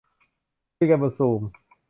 คุยกันบนซูม